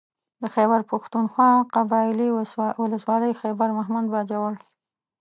د خېبر پښتونخوا قبايلي ولسوالۍ خېبر مهمند باجوړ